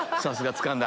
つかんだ。